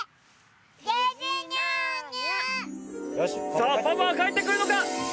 さあパパは帰ってくるのか！？